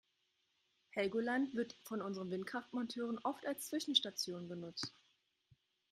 Helgoland wird von unseren Windkraftmonteuren oft als Zwischenstation genutzt.